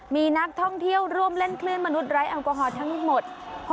มีนักท่องเที่ยวร่วมเล่นคลื่นมนุษย์ไร้แอลกอฮอลทั้งหมด